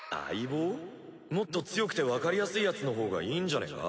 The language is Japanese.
もっと強くてわかりやすいヤツのほうがいいんじゃねえか？